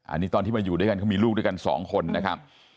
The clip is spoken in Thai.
อันนี้ตอนที่มาอยู่ด้วยกันเขามีลูกด้วยกันสองคนนะครับ